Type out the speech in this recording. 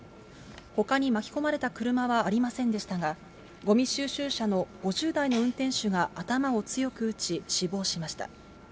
ほかに巻き込まれた車はありませんでしたが、ごみ収集車の５０代の運転手が頭を強く打ち死亡しました。